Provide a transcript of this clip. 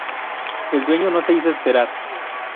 El duelo no se hizo esperar.